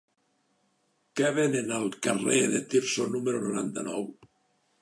Què venen al carrer de Tirso número noranta-nou?